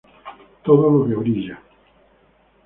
Todo lo que brilla.